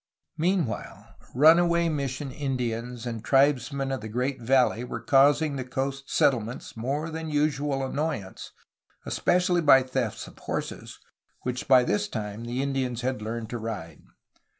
Mean while, runaway mission Indians and tribesmen of the great valley were causing the coast settlements more than usual annoyance, especially by thefts of horses, which by this time the Indians had learned to ride.